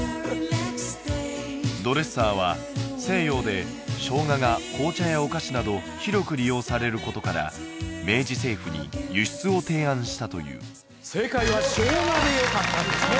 ドレッサーは西洋でショウガが紅茶やお菓子など広く利用されることから明治政府に輸出を提案したという正解は「ショウガ」でよかったんですね